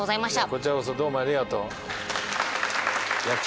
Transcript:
こちらこそどうもありがとう。